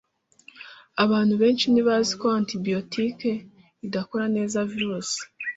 Abantu benshi ntibazi ko antibiyotike idakora neza virusi.